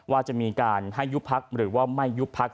ว่าจะมีการให้ยุบพักหรือว่าไม่ยุบพัก